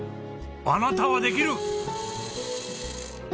あなたはできる！